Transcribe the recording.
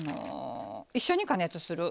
一緒に加熱する。